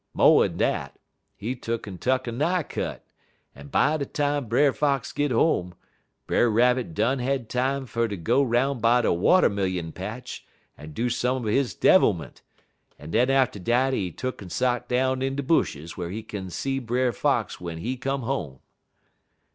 Mo'n dat, he tuck'n tuck a nigh cut, en by de time Brer Fox git home, Brer Rabbit done had time fer ter go 'roun' by de watermillion patch en do some er he devilment, en den atter dat he tuck'n sot down in de bushes whar he kin see Brer Fox w'en he come home.